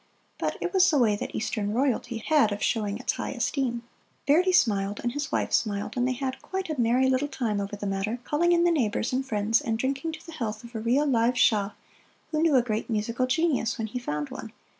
But it was the way that Eastern Royalty had of showing its high esteem. Verdi smiled, and his wife smiled, and they had quite a merry little time over the matter, calling in the neighbors and friends, and drinking to the health of a real live Shah who knew a great musical genius when he found one.